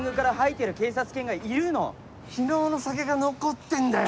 きのうの酒が残ってんだよ！